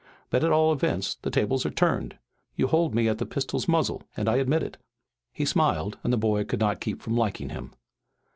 But at all events the tables are turned. You hold me at the pistol's muzzle and I admit it." He smiled and the boy could not keep from liking him.